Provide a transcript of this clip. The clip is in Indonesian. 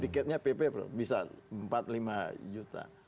tiketnya pp bisa empat lima juta